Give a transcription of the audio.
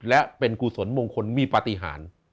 และเป็นกุศลมงคลมีปฏิหาร